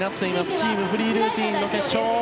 チームフリールーティンの決勝。